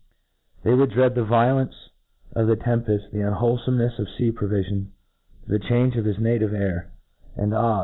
They would dread the violence of the tempefts, the unwholefomenefe of fca provifions, the change pf his native air ;— and, ah